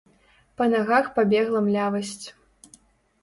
Па нагах пабегла млявасць.